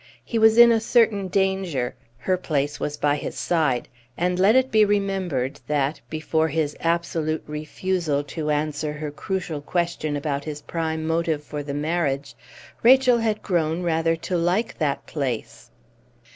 He was in a certain danger. Her place was by his side. And let it be remembered that, before his absolute refusal to answer her crucial question about his prime motive for the marriage, Rachel had grown rather to like that place.